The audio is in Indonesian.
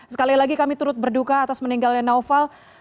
sekali lagi kami turut berduka atas meninggalnya naufal